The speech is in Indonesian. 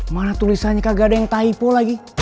mana tulisannya kagak ada yang typo lagi